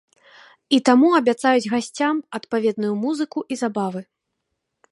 І таму абяцаюць гасцям адпаведную музыку і забавы.